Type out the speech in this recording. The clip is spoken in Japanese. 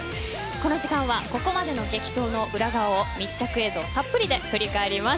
この時間はここまでの激闘の裏側を密着映像たっぷりで振り返ります。